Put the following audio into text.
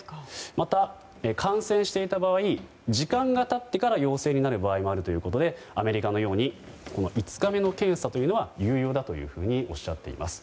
また、感染していた場合時間が経ってから陽性になる場合もあるということで、アメリカのように５日目の検査というは有用だとおっしゃっています。